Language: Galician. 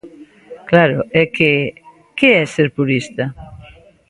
Claro, é que, que é ser purista?